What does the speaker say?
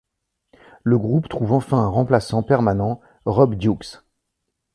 Le groupe trouve enfin un remplaçant permanent, Rob Dukes.